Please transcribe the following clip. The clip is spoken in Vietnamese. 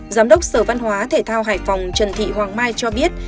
giám đốc sở văn hóa thể thao hải phòng trần thị hoàng mai cho biết